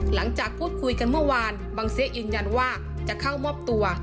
หลังจากพูดคุยกันเมื่อวานบังเซยืนยันว่าจะเข้ามอบตัว